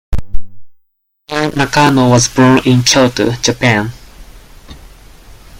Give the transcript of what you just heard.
Junya Nakano was born in Kyoto, Japan.